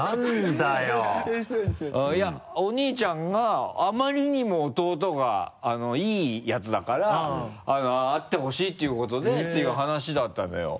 いやお兄ちゃんがあまりにも弟がいいやつだから会ってほしいっていうことでていう話だったのよ。